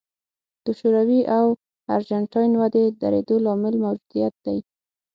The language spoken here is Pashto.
د شوروي او ارجنټاین ودې درېدو لامل موجودیت دی.